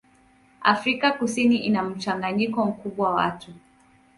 Afrika Kusini ina mchanganyiko mkubwa wa watu.